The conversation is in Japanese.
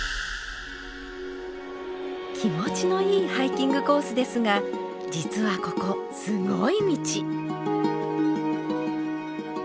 気持ちのいいハイキングコースですが実はここすごい道。